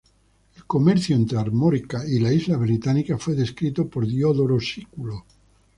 El comercio entre Armórica y las islas británicas fue descrito por Diodoro Sículo.